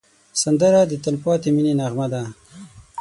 سندره د تل پاتې مینې نغمه ده